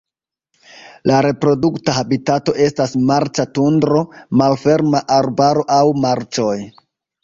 La reprodukta habitato estas marĉa tundro, malferma arbaro aŭ marĉoj.